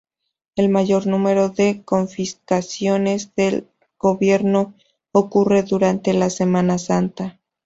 El mayor número de confiscaciones del gobierno ocurre durante la Semana Santa.